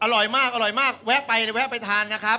อร่อยมากไว้ไปไว้ไปทานนะครับ